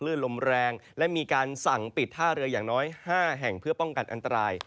ลมแรงและมีการสั่งปิดท่าเรืออย่างน้อย๕แห่งเพื่อป้องกันอันตราย